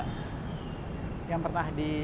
pelajaran apa yang paling berharga